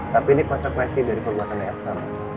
tapi ini konsekuensi dari perbuatan elsa ma